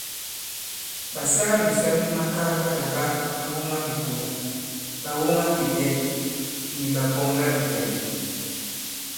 Ɓàsɛlamìsɔn mi makaa ɓa làɓa ɓàwoŋabìkolà, ɓàwoŋabiɓɛ̌ ni ɓàpɔ̀ŋlabìkɛ̀n.